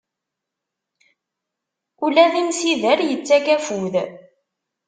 Ula d imsider, yettak afud.